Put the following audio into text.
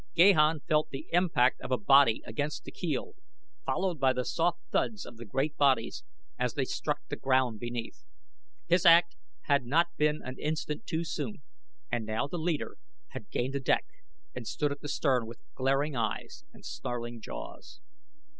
Gahan felt the impact of a body against the keel, followed by the soft thuds of the great bodies as they struck the ground beneath. His act had not been an instant too soon. And now the leader had gained the deck and stood at the stern with glaring eyes and snarling jaws.